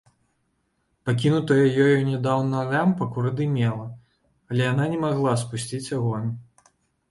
Пакінутая ёю нядаўна лямпа курадымела, але яна не магла спусціць агонь.